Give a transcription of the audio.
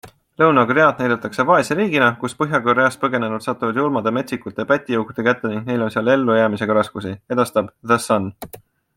Lõuna-Koread näidatakse vaese riigina, kus Põhja-Koreast põgenenud satuvad julmade ja metsikute pätijõukude kätte ning neil on seal elljäämisega raskusi, edastab The Sun.